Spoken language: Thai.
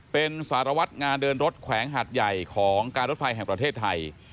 เป็นสารวัตรงานเดินรถแขวงหัดใหญ่ของการรถไฟแห่งประเทศไทย